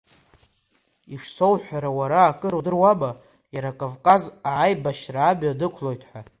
Ишсоуҳәара, уара акыр удыруама иара Кавказҟа аибашьра амҩа дықәлоит ҳәа?